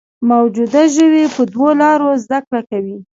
موجوده ژوي په دوو لارو زده کړه کوي.